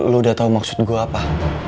lo udah tau maksud gue apa